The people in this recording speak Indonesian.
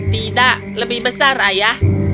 tidak lebih besar ayah